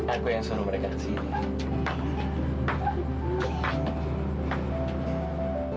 aku yang suruh mereka kesini